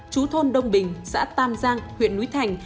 chú thôn đông bình xã tam giang huyện núi thành